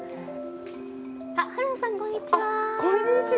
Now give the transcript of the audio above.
あっ春菜さんこんにちは！